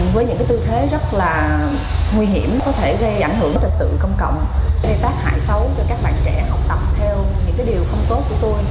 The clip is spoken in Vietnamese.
với những tư thế rất là nguy hiểm có thể gây ảnh hưởng tật tự công cộng gây tác hại xấu cho các bạn trẻ học tập theo những điều không tốt của tôi